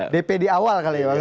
dp di awal kali ya maksudnya